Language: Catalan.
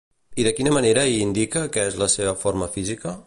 I de quina manera hi indica que és la seva forma física?